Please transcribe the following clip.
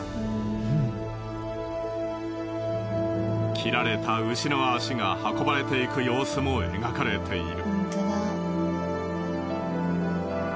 切られた牛の足が運ばれていく様子も描かれている。